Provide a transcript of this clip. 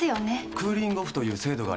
クーリングオフという制度があります。